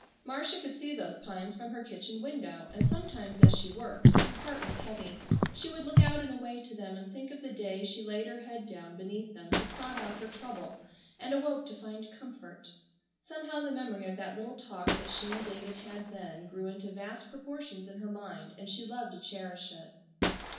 Marcia could see those pines from her kitchen window, and sometimes as she worked, if her heart was heavy, she would look out and away to them, and think of the day she laid her head down beneath them to sob out her trouble, and awoke to find comfort. Somehow the memory of that little talk that she and David had then grew into vast proportions in her mind, and she loved to cherish it.